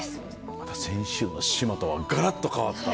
また先週の島とはガラっと変わった。